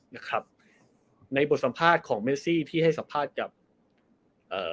นะครับในบทสัมภาษณ์ของเมซี่ที่ให้สัมภาษณ์กับเอ่อ